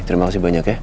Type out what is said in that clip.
terima kasih banyak ya